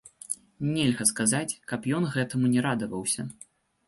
Нельга сказаць, каб ён гэтаму не радаваўся.